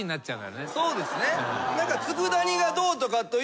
そうですね。